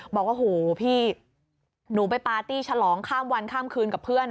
บอกว่าโหพี่หนูไปปาร์ตี้ฉลองข้ามวันข้ามคืนกับเพื่อน